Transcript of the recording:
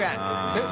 えっ。